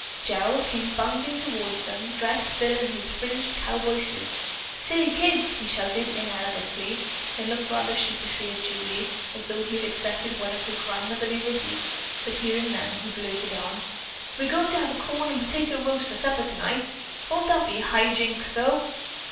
Gerald came bounding toward them, dressed still in his fringed cowboy suit. "Say, kids," he shouted inelegantly, then looked rather sheepishly at Julie, as though he expected one of her grandmotherly rebukes, but hearing none, he blurted on: "We're going to have a corn and potato roast for supper tonight. Won't that be high jinks, though?